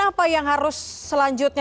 apa yang harus selanjutnya